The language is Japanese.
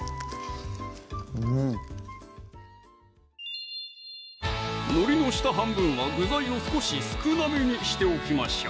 うんのりの下半分は具材を少し少なめにしておきましょう